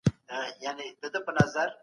حقوقپوهانو به د دوستۍ پیغامونه رسول.